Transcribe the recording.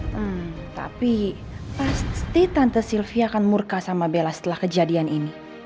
hmm tapi pasti tante sylvia akan murka sama bella setelah kejadian ini